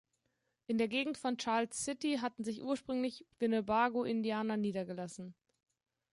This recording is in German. In der Gegend von Charles City hatten sich ursprünglich Winnebago-Indianer niedergelassen.